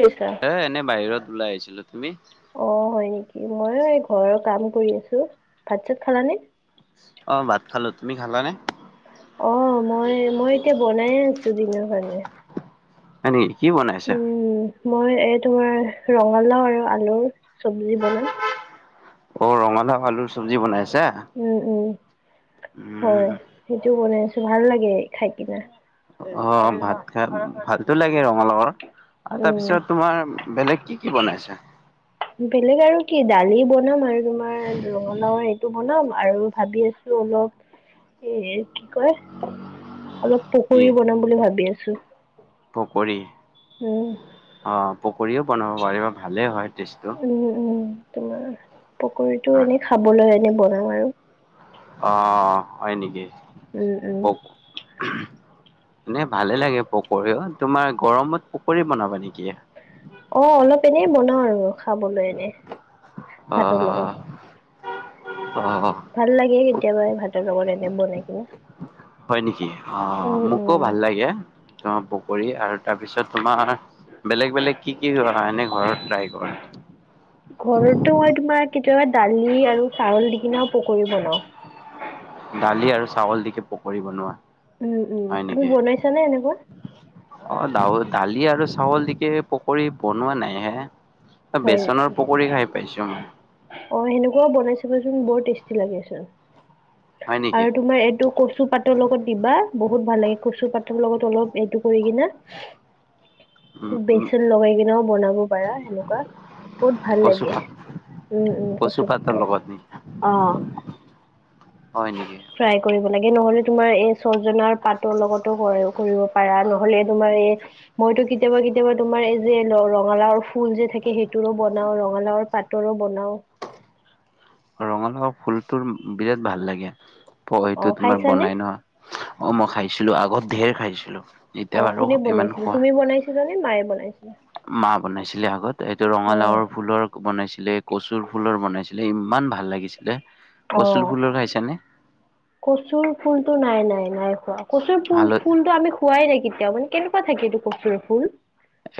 কি কৰিছাঁ? এই এনে বাহিৰত ওলাই আহিছিলোঁ, তুমি? অ' হয় নেকি মই এই ঘৰৰ কাম কৰি আছোঁ, ভাত চাত খালানে? অ' ভাত খালোঁ তুমি খালানে? অ' মই-মই এতিয়া বনাই আছোঁ দিনৰ কাৰণে। হয় নেকি কি বনাই আছাঁ? উম মই এই তোমাৰ ৰঙালাও আৰু আলুৰ চবজি বনাম। অ' ৰঙালাও আলুৰ চবজি বনাই আছাঁ। উম-উম হয় সেইটো বনাই আছোঁ ভাল লাগে খাই কিনে। অ' ভাত খাই ভালটো লাগে ৰঙালাওৰ আৰু উম তাৰপিছত তোমাৰ বেলেগ কি কি বনাই আছাঁ? বেলেগ আৰু কি দালি বনাম আৰু তোমাৰ ৰঙালাওৰ এইটো বনাম আৰু ভাবি আছোঁ। অলপ এই কি কয় অলপ পকৰি বনাম বুলি ভাবি আছোঁ। পকৰি অ' পকৰিও বনাব পাৰিবা, ভালেই হয় টেষ্টটো। উম-উম তোমাৰ পকৰিটো এনে খাবলৈ এনে বনাম আৰু। অ' হ হয় নেকি। উম উম পক এনে ভালে লাগে পকৰিও তোমাৰ গৰমত পকৰি বনাবা নেকি? অ' অলপ এনে বনাওঁ আৰু। খাবলৈ এনে ভাতৰ লগত অ'-অ'-অ' ভাল লাগে কেতিয়াবা ভাতৰ লগত এনে বনাই কিনে। হয় নেকি? অ উম উম মোকো ভাল লাগে তোমাৰ পকৰী আৰু তাৰপিছত তোমাৰ বেলেগ-বেলেগ কি-কি এনে ঘৰত ট্ৰাই কৰা? ঘৰতো মই তোমাৰ কেতিয়াবা দালি আৰু চাউল দি কিনাও পকৰী বনাও। দালি আৰু চাউল দিকে পকৰি বনোৱা। উম উম হয় তুমি নেকি বনাইছানে এনেকুৱা? অ দাউ দালি আৰু চাউল দিকে পকী বনোৱা নাই হে। হয় নেকি বেচনৰ পকৰি খাই পাইছো মই। অ সেনেকুৱাও বনাই চাবাচোন বৰ টেষ্টি লাগে চোন। হয় নেকি আৰু তোমাৰ এইটো কচু পাত পাতৰ লগত দিবা বহুত ভাল লাগে কচু পাতৰ লগত অলপ এইটো কৰি কিনা উম উম বেচন লগাই কিনেও বনাব পাৰা, সেনেকুৱা বহুত ভাল কচু লাগে। উম উম কচু পাতৰ অহ হয় নেকি? অ ফ্ৰাই কৰিব লাগে, নহলে তোমাৰ এই ছজনাৰ পাতৰ লগতো কৰে কৰিব পাৰা ন। হলে তোমাৰ এ মইতো কেতিয়াবা কেতিয়াবা তোমাৰ এই যে ৰঙালাওৰ ফুল যে থাকে সেইটোৰো বনাও ৰঙালাওৰ পাত টৰো বনাওঁ। ৰঙালাও ফুলটোৰ বিৰাট ভাল লাগে অ এইটো তোমাৰ খাইছানে বনাই ন। অ মই খাইছিলো আগত ধেৰ খাইছিলো। অ এতিয়া বাৰু কোনে ইমান বনাইছিলে, তুমি বনাইছিলা নে মায়ে বনাইছিলে? মা বনাইছিলে আগত এইটো অ ৰঙালাওৰ ফুলৰ বনাইছিলে, কচুৰ ফুলৰ বনাইছিলে, ইমান ভাল লাগিছিলে। অ কচুৰ ফুলৰ খাইছানে? কচুৰ ফুলতটো নাই নাই নাই খোৱা কচুৰ ফুল হালত ফুলটো আমি খোৱাই নাই কেতিয়াও মানে কেনেকুৱা থাকে এইটো কচুৰ ফুল?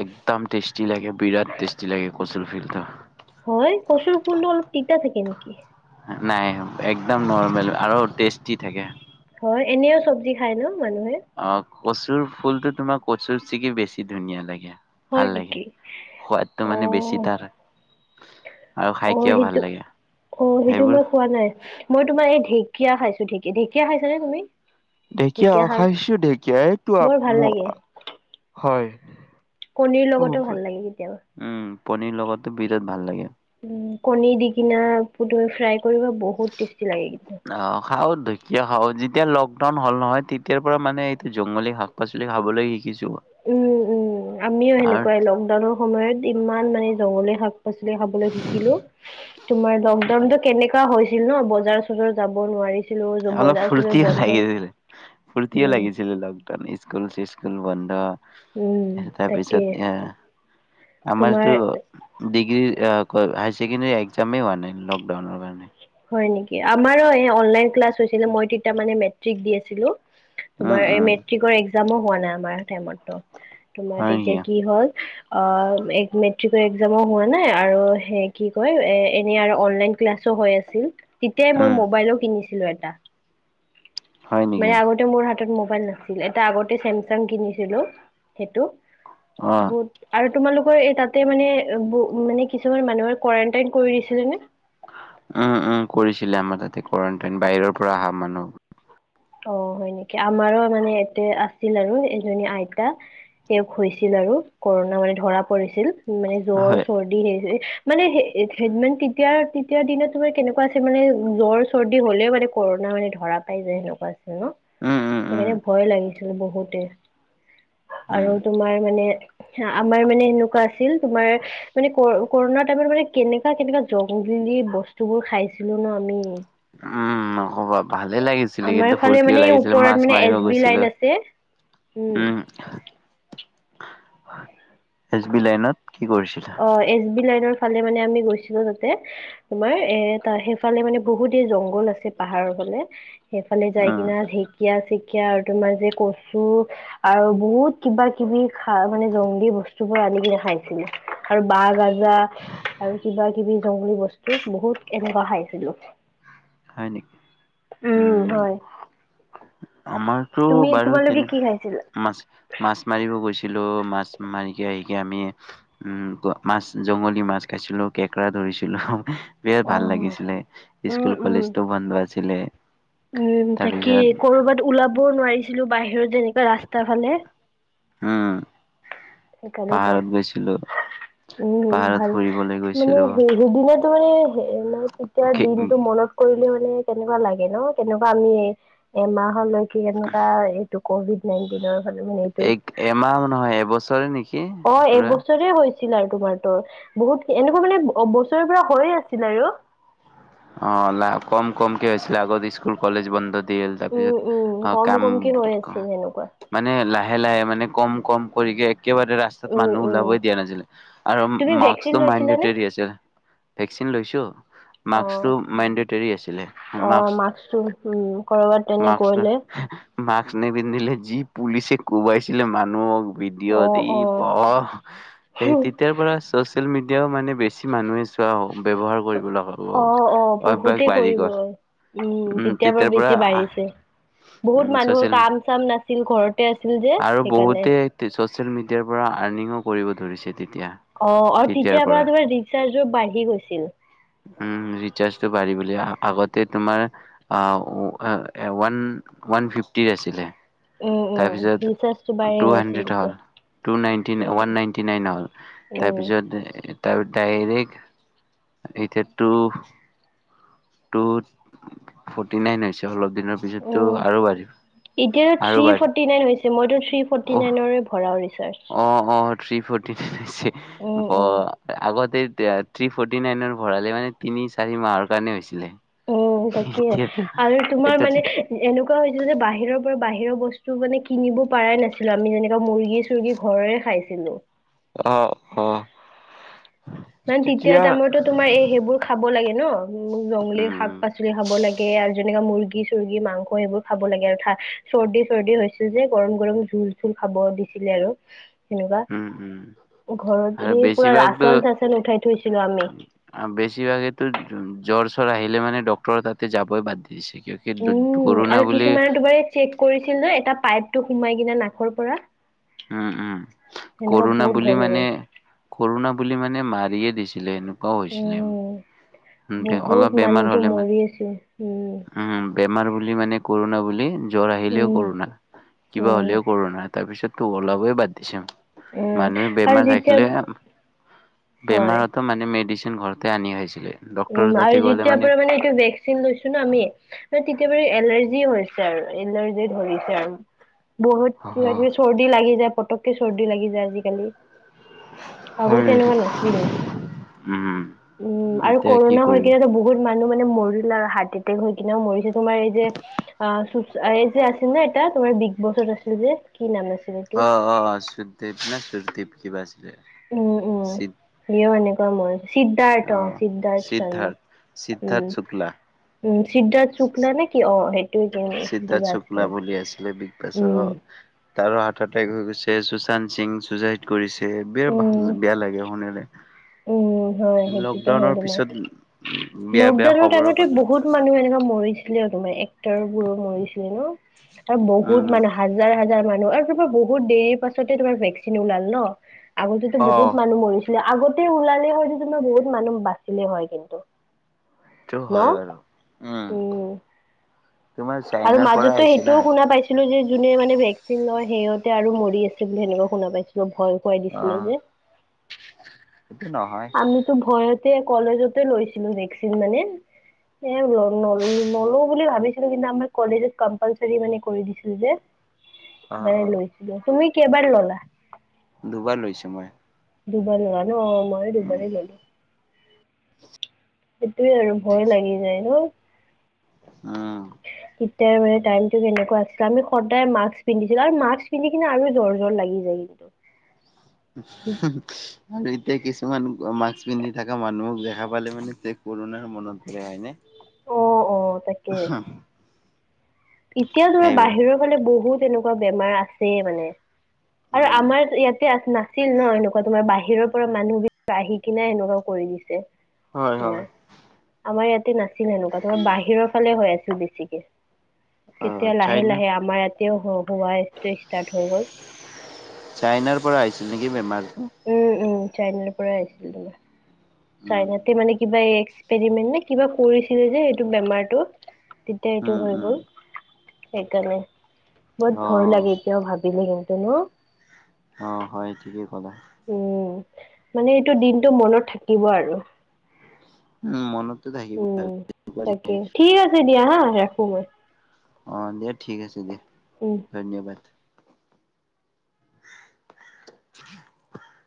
একদম টেষ্টি লাগে বিৰাট টেষ্টি লাগে কচুৰ ফিলটো। হয় কচুৰ ফুলটো অলপ তিতা থাকে নেকি? নাই একদম নৰ্মেল আৰু টেষ্টি থাকে। হয় এনেও চবজি খাই ন মানুহে। অ কচুৰ ফুলতটো তোমাৰ কচুৰ চিগি বেছি ধুনীয়া লাগে। ভাল হয় লাগে নেকি? সোৱাদটো অ। মানে বেছি তাৰ আৰু অ খাইকেও ভাল সেইটো লাগে অ সেইটো সেইবোৰ মই খোৱা নাই। মই তোমাৰ ঢেকীয়া খাইছো। ঢেকীয়া ঢেকীয়া খাইচা নে তুমি? ঢেকীয়া অ খাইছো ঢেকীয়া এইটো বৰ ভাল ম লাগে হয়। কণীৰ লগতো ভাল উম লাগে কেতিয়াবা। পনীৰ লগটো বিৰাট ভাল লাগে। উ কণী দি কিনা পুতৌই ফ্ৰাই কৰিব বহুত টেষ্টি লাগে কিন্তু। অ খাও ঢেকীয়া খাওঁ যেতিয়া লকডাউন হ'ল নহয় তেতিয়াৰ পৰা মানে এইটো জংগলি শাক পাচলি খাবলৈ শিকিছো মই। উম উম আমিও সেনেকুৱাই লকডাউনৰ সময়ত ইমান মানে জংলী শাক পাচলি খাবলৈ শিকিলো তোমাৰ লকডাউনটো কেনে কা হৈছিল ন বজাৰ চজাৰ যাব নোৱাৰিছ- অলপ ফূৰ্তিও লাগিছিলে ফূৰ্তিও উম লাগিছিলে লগ- স্কুল চিস্কুল বন্ধ উম তাৰ তাকে পিছত এ আমাৰতো তোমাৰ ডিগ্ৰীৰ আ কয় হায়াৰছেকেণ্ডাৰী একজামেই হোৱা নাই লকডাউনৰ কাৰণে। হয় নেকি? আমাৰো অনলাইন ক্লাছ হৈছিলে মই তেতিয়া মানে মেট্ৰিক দি আছিলো। উম, তোমাৰ এই উম, মেট্ৰিকৰ একজামো হোৱা নাই আমাৰ টাইমতো। তোমাৰ হয় নেকি? তেতিয়া কি হল অ মেট্ৰিকৰ একজামো হোৱা নাই আৰু সে কি কয় এ এনে আৰু অনলাইন ক্লাছো হৈ আছ- হৈছিল তেতিয়াই মই উম, মোবাইলো কিনিছিলো এটা। হয় নেকি? মানে আগতে মোৰ হাতত মোবাইল নাছিল। এটা আগতে চেমচাং কিনিছিলো। সেইটো অ', বহুত আৰ তোমালোকৰ এই তাতে মানে মানে কিছুমান মানুহে কোৱাৰেণ্টাইন কৰিছিলে নে? উম উম কৰিছিলে আমাৰ তাতে কোৱাৰেণ্টাইন বাহিৰৰ পৰা অহা মানুহ। অ হয় নেকি আমাৰো মানে এয়াতে আছিল আৰু এজনী আইতা। শেষ হৈছিল আৰু কৰোণা মানে ধৰা পৰিছিল। মানে জ্বৰ, হয়, চৰ [unintelligible] মানে সে তেতিয়া তেতিয়াৰ দিনত তোমাৰ কেনেকুৱা আছিল মানে জ্বৰ চৰ্দি হ'লেও মানে কৰোণা মানে ধৰা পায় যায় ন। ন উম, উম, উম, সেইকাৰণে ভয় লাগিছিল বহুতে। আৰু উম। তোমাৰ মানে আমাৰ মানে এনেকুৱা আছিল তোমাৰ মানে কৰ কৰোণাৰ টাইমত মানে কেনেকুৱা কেনেকুৱা জংঘলি বস্তুবোৰ খাইছিলো ন আমি। উম নক'বা ভালে লাগিছি ছিল আমাৰ কিন্তু ফালে ফূৰ্তিও মানে লাগিছিল, ওপৰত মাছ মানে মাৰিব এছ বি লাইন গৈছিলো, আছে উম। এছ বি লাইনত কি কৰিছিল? অ এছ বি লাইনৰ ফালে মানে আমি গৈছিলো তাতে। তোমাৰ এ ত সেইফালে মানে বহুতে জংঘল আছে পাহাৰৰ ফালে। সেইফালে যাই উম কিনা ঢেকীয়া-চেকীয়া আৰু তোমাৰ যে কচু আৰু বহুত কিবা-কিবি খা মানে জংলী বস্তুবোৰ আনি কিনে খাইছিল। আৰু বাঁহ গাজা আৰু কিবা-কিবি জংগলী বস্তু বহুত এনেকুৱা খাইছিলো। হয় নেকি? উম আমাৰ টো তুমি বাৰু তোমালোকে তেনে কি খাইছিলা মাছে মাছ মাৰিব গৈছিলো। মাছ মাৰিকে আহিকে আমি উম মাছ জংগলী মাছ খাইছিলো, কেকৰা ধৰিছিলো। বিৰাট ভাল অ', লাগিছিলে। উম স্কুল, উম কলেজটো বন্ধ আছিলে। উম তাকে। তাৰপিছত কৰবাত ওলাবও নোৱাৰিছিলো বাহিৰত যেনেকা ৰাস্তা ফালে। উম। সেইকাৰণেটো পাহাৰত গৈছিলো উম পাহাৰত ভাল। ফুৰিবলৈ মানে গৈছিলো। সেই সেইদিনাটো মানে হে মানে তেতিয়াৰ দিনটো মনত কৰিলে মানে কেনেকুৱা লাগে ন? কেনেকুৱা আমি এমাহলৈকে কেনেকুৱা এইটো ক'ভিড নাইণ্টিনৰ কাৰণে মানে এইটো এমাহো নহয় এবছৰে নেকি? অ পুৰা এবছৰে হৈ ছিল আৰু তোমাৰ তো। বহুত এনেকুৱা মানে বছৰৰ পৰা হয়ে আছিল আৰু। অ লা কম কমকে হৈছিলে। আগত স্কুল, কলেজ বন্ধ দিল তাৰপিছত উম উম অ কম কাম কমকে হৈ আছিল সেনেকুৱা মানে লাহে লাহে মানে কম কম কৰিকে একেবাৰে ৰাছ তাত উম মানুহ উম ওলাবই দিয়া নাছিলে আৰু তুমি ভেকচিন মাস্কটো লৈছিলানে মাইন্দেতেৰি আছিল। ভেকচিন লৈছো। অ মাস্কটো মেনডেতেৰী আছিলে। অ মাস্ক মাক্সটো উম কৰবাত তেনে মাস্ক কৰিলে মাস্ক নিপিন্ধিলে যি পুলিচে কোবাইছিলে মানুহক। অ বিডিঅ'ত ই অ বাহ এই তেতিয়াৰ পৰা ছ'চিয়েল মিডিয়াও মানে বেছি মানুহে চোৱা অ ব্যৱহাৰ কৰিব লগা অ, অ অভ্যাস বহুতে বাঢ়ি কৰিব, গ'ল উম তেতিয়াৰ পৰা বেছি বাঢ়িছে। উম বহুত মানুহৰ ছচিয়েল মি কাম-চাম নাছিল, ঘৰতে আছিল যে সেইকাৰণে। গোটেই ছ'চিয়েল মিডিয়াৰ পৰা আৰ্নিঙো কৰিব ধৰিছে তেতিয়া। অ আৰু তেতিয়াৰ পৰা তোমাৰ ৰিচাৰ্জো বাঢ়ি গৈছিল। উম ৰিচাৰ্জটো বাঢ়ি বুলি আগতে তোমাৰ আ ও আ ৱান ওৱান ফিফটি আছিলে। অ তাৰপিছত ৰিচাৰ্জ টু হাণ্ড্ৰেড হ'ল, টু নাইণ্টিন উম, ওৱান নাইণ্টি নাইন হ'ল। উম। তাৰপিছত এ তাও ডাইৰেক্ট এতিয়া টু টু ফৰ্টি নাইন হৈছে অলপ দিনৰ। উ পিছততো আৰু বাঢ়িব এতিয়াতো আৰু থ্ৰী বাঢ়ি ফৰ্টি নাইন হৈছে মইটো, থ্ৰী ফৰ্টি অহ নাইনৰে ভৰাও ৰিচাৰ্জ। অ অ থ্ৰী ফৰ্টি হৈছে উম, ব উম, আগতে, থ্ৰী ফৰ্টি নাইনৰ ভৰালে মানে তিনি চাৰি মাহৰ কাৰণে হৈছিলে। উম তাকে এতিয়াতো আৰু তোমাৰ এতিয়াতো মানে, এনেকুৱা হৈছিল যে বাহিৰৰ পৰা বাহিৰৰ বস্তু মানে কিনিব পৰাই নাছিলো আমি যেনেকা মুৰ্গী, চুৰ্গী ঘৰৰে খাইছিলো। অ অ। মানে তেতিয়া টাইমতো তোমাৰ এই সেইবোৰ খাব লাগে ন উ জংগলীৰ শাক উম, পাচ, পাচলি খাব লাগে আৰু যেনেকা মুৰ্গী চৰ্গী মাংস সেইবোৰ খাব লাগে অৰ্থাৎ চৰ্দি চৰ্দি হৈ চুজে যে গৰম গৰম জোল চোল খাব দিছিলে আৰু সনেকুৱা উম, উম, ঘৰত আৰু সেই পুৰা বেছিভাগতো ৰাচন চাচন উঠাই থৈছিলো আমি। আ বেছিভাগে তো জ জ্বৰ চ্বৰ আহিলে মানে ডক্টৰ তাতে যাবই বাদ দি দিছে কিয়। হিদুত উম কৰোণা আৰু বুলি। কিছুমানে তোমাৰ এই চেক কৰিছিল যে এটা পাইপটো সোমাই কিনে নাকৰ পৰা। উম উম সেনেকুৱা কৰোণা বহুত বুলি ভয় লাগে মানে কৰোণা বুলি মানে মাৰিয়ে দিছে। আছিলে এনেকুৱা হৈছিলে। উম অলপ বহুত বেমাৰ মানুহতো হ'লে মানে মৰি আছিল উম। উম বেমাৰ বুলি মানে কৰোণা বুলি জ্বৰ আহিলেও উম কৰোণা। কিবা উম হ'লেও কৰোনা তাৰপিছত তোক ওলাবই বাদ দিছাম। উম মানুহে আৰু বেমাৰ যেতিয়া থাকিলে হয় বেমাৰত মানে মেডিচিন ঘৰতে আনি খাইছিলে। উম ডক্টৰৰ তাতে আৰু গ'লে যেতিয়াৰ পৰা মানে এইটো ভেকচিন লৈছো ন আমি, তেতিয়া বাৰ এলাৰ্জি হৈছে আৰু এলাৰ্জি ধৰিছে আৰু বহুত কিবা কিবি হয় চৰ্দি লাগি যায় পটকে চৰ্দি লাগি যায় আজিকালি। হয় আগতে এনেকুৱা নাছিল উম উম আৰু এতিয়া কি কৰোণা হৈ কৰিব। কিনেতো বহুত মানুহ মানে মৰিল আৰু হাতী হৈ কিনেও মৰিছে তোমাৰ এই যে আহ চো এই যে আছিল না এটা। তোমাৰ বিগ বছত আছিলে যে। কি নাম আছিল। এইটো অ অ সুদ্বপ নে সুদীপ কিবা আছিলে। হিও এনেকোৱা মৰে সিদ্ধাৰ্থ অ সিদ্ধাৰ্থ শৰ্মা উম, উম সিদ্ধাৰ্থ চুকলা নে কি অ সেই, সিদ্ধাৰ্থ শুক্লা বুলি আছিলে বিগ বাছৰ, উম তাৰ হাততে হৈ গৈছে সুশান্ত সিং চুচাইদ কৰিছে বিৰা ভাল উম বেয়া লাগে শুনিলে। উম হয় সেইটোতো হয় লকডাউনৰ তোমাৰ পিছত বেয়া বেয়া লকডাউনৰ খবৰ টাইমতে পালো। বহুত মানুহ এনেকা মৰিছিলে তোমাৰ এক্টৰ বোৰো মৰিছিলে ন আৰু বহুত উম মানুহ। হাজাৰ হাজাৰ মানুহ আৰু তোমাৰ বহুত দেৰি পাছতে তোমাৰ ভেকচিন ওলালে ন। আগতেতো অ বহুত মানুহ মৰিছিলে আগতে ওলালে হয়তো তোমাৰ বহুত মানুহ বাচিলেই হয় কিন্তু। সেইটো ন হয় বাৰু উম, তোমাৰ আৰু চাইনাৰ পৰা মাজতো আহিছে না সেইটোও শুনা পাইছে ছিলো যে যোনে মানে ভেকচিন লয় সিহতে আৰু মৰি আছে বুলি সনেুৱা শুনা পাইছো। ভয় খুৱাই অ দিছিলে যে। সেইটো নহয়। আমিতো ভয়তে কলেজতে লৈছিলো ভেকচিন মানে। এ ন নলো বুলি ভাবিছিলো কিন্তু আমাৰ কলেজত কম্পালচ মানে কৰি দিছিলো যে অ সেই অ কাৰণে লৈছিলো তুমি কেবাৰ ললা। দুবাৰ লৈছো মই। দুবাৰ ললা ন, মইয়ো উম দুবাৰে ললো। সেইটোয়ে আৰু ভয় লাগি যায় ন। অ সেৱে টাইমটো কেনেকুৱা আছিলে আমি সদায় মাক্স পিন্ধিছিলো আৰু মাক্স পিন্ধি কিনে আৰু জ্বৰ জ্বৰ লাগি যায় কিন্তু। আৰু এতিয়া কি কিছুমান মাস্ক পিন্ধি থকা মানুহক দেখা পালে মানে তে কোৰোণা মনত পৰে হয় নে। অ অ তাকে অহ, এতিয়া ধৰা বাহিৰৰ ফালে বহুত এনেকুৱা বেমাৰ আছে মানে। আৰু উম আমাৰ ইয়াতে আছে না ছিল ন এনেকুৱা তোমাৰ বাহিৰৰ পৰা মানুহ বিলাক আহি কিনে এনেকুৱাও কৰি দিছে হয় তোমাৰ। হয় আমাৰ ইয়াতে নাছিল সেনেকুৱা তোমাৰ বাহিৰৰ ফালে হৈ আছিল বেছিকে। অ তেতিয়া লাহে - চাইনাৰ লাহে আমাৰ ইয়াতেও হোৱা ষ্টাৰ্ট হৈ গ'ল। চাইনাৰ পৰা আহিছিল নেকি বেমাৰটো? উম-উম চাইনাৰ পৰাই আহিছিল তোমাৰ। উম চাইনাতে মানে কিবা এই এক্সপৰিমেন্ট নে কিবা কৰিছিলে যে সেটো বেমাৰটো তেতিয়া এইটো উম হৈ উম গ'ল সেইকাণে। অ বহুত ভয় লাগে এতিয়াও ভাবিলে কিন্তু ন। অ, হয় ঠিকেই ক'লা। উ, মানে এইটো দিনটো মনত থাকিব আৰু। উম, মনতো থাকি উম, তাকে ঠিক আছে দিয়া হা ৰাখো মই। অ, দিয়া ঠিক আছে দিয়া। উম ধন্যবাদ। [unintelligible]